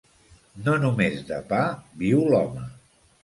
No només de pa viu l'home.